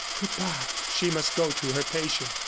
"Good bye!" She must go to her patient.